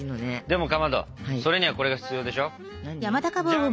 でもかまどそれにはこれが必要でしょ？じゃん！